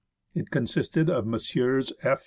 It consisted of Messrs. F.